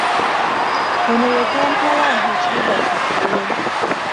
Ono ye Kampala ekibuga kyaffe.